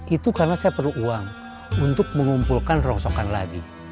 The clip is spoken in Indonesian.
itu karena saya perlu uang untuk mengumpulkan rongsokan lagi